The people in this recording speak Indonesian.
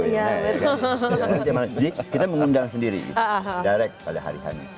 jadi kita mengundang sendiri direct pada hari hari